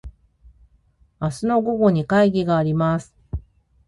明日の午後に会議があります。